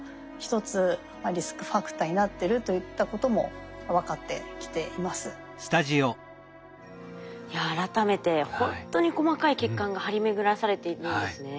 障害が及んでこういったいや改めてほんとに細かい血管が張り巡らされているんですね。